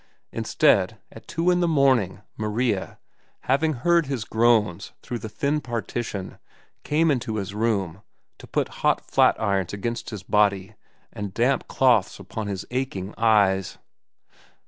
Instead, at two in the morning, Maria, having heard his groans through the thin partition, came into his room, to put hot flat irons against his body and damp cloths upon his aching eyes.